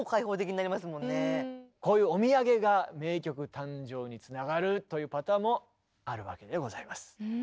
こういうお土産が名曲誕生につながるというパターンもあるわけでございます。